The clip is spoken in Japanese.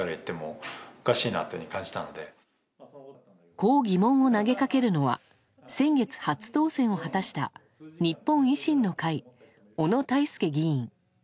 こう疑問を投げかけるのは先月、初当選を果たした日本維新の会、小野泰輔議員。